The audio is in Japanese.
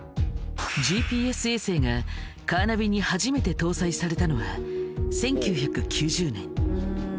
ＧＰＳ衛星がカーナビに初めて搭載されたのは１９９０年。